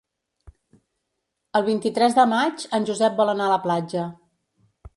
El vint-i-tres de maig en Josep vol anar a la platja.